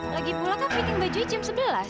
lagi pulang kan fitting baju jam sebelas